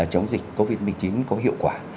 chống dịch covid một mươi chín có hiệu quả